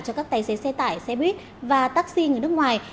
cho các tài xế xe tải xe buýt và taxi người nước ngoài